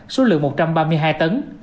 số lượng một trăm ba mươi hai tấn